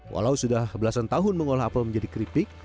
walau sudah belasan tahun mengolah apel menjadi keripik